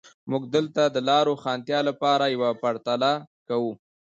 موږ دلته د لا روښانتیا لپاره یوه پرتله کوو.